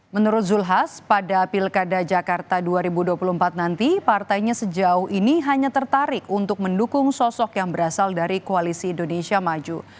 menurut zulkifli hasan pada pilkada jakarta dua ribu dua puluh empat nanti partainya sejauh ini hanya tertarik untuk mendukung sosok yang berasal dari koalisi indonesia maju